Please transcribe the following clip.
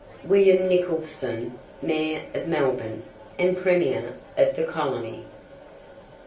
WILLIAM NICHOLSON, MAYOR OF MELBOURNE, AND PREMIER OF THE COLONY.